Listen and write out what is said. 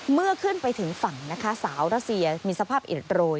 เมื่อขึ้นไปถึงฝั่งนะคะสาวรัสเซียมีสภาพอิดโรย